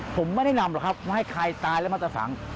ผมไม่ได้นำหรอกครับว่าให้ใครตายแล้วมาตะสัง